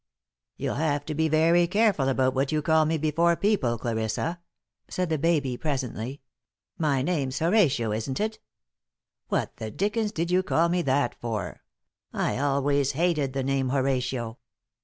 "You'll have to be very careful about what you call me before people, Clarissa," said the baby, presently. "My name's Horatio, isn't it? What the dickens did you call me that for? I always hated the name Horatio."